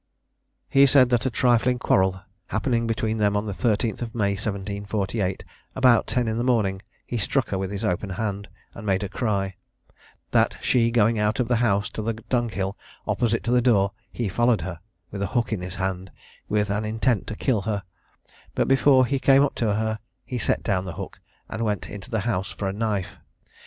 He said that a trifling quarrel happening between them on the 13th of May 1748, about ten in the morning, he struck her with his open hand, and made her cry: that she going out of the house to the dunghill, opposite to the door, he followed her, with a hook in his hand, with an intent to kill her; but before he came up to her, he set down the hook, and went into the house for a knife.